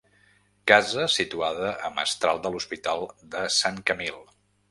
Casa situada a mestral de l'Hospital de Sant Camil.